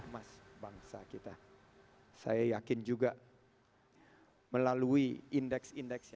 mas bangsa kita saya yakin juga melalui indeks indeks